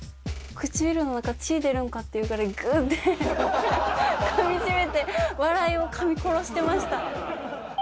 唇から血出るんかっていうぐらい、ぐーってかみしめて、笑いをかみ殺してました。